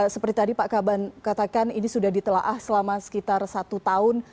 seperti tadi pak kaban katakan ini sudah ditelah selama sekitar satu tahun